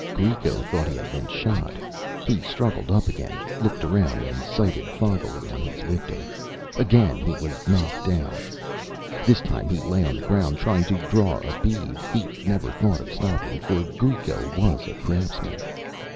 Greco thought he had been shot. He struggled up again, looked around, and sighted foggily on his victim. Again he was knocked down. This time he lay on the ground, trying to draw a bead. He never thought of stopping, for Greco was a craftsman.